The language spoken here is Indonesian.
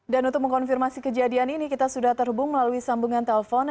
dan untuk mengkonfirmasi kejadian ini kita sudah terhubung melalui sambungan telpon